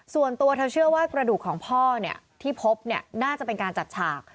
ส่วนตัวเธอเชื่อว่ากระดูกของพ่อที่พบน่าจะเป็นการจัดฉาก